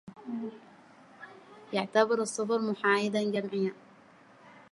يعتبر الصفر محايدا جمعيا